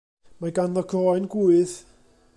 Mae ganddo groen gŵydd.